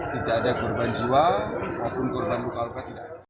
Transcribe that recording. tidak ada korban jiwa ataupun korban luka luka